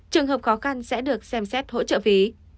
trường hợp khó khăn sẽ được xem xét hỗ trợ phí